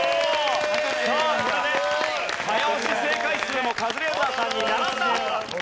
さあこれで早押し正解数もカズレーザーさんに並んだ！